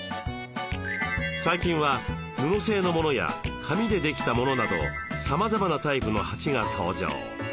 最近は布製のものや紙でできたものなどさまざまなタイプの鉢が登場。